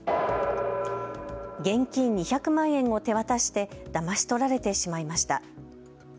現金２００万円を手渡してだまし取られてしまいました。